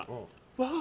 わあ！